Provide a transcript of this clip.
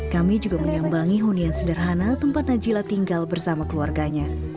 kami juga menyambangi hunian sederhana tempat najila tinggal bersama keluarganya